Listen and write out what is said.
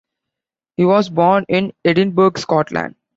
He was born in Edinburgh, Scotland.